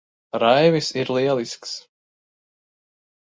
Raivis ir lielisks.